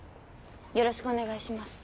よろしくお願いします。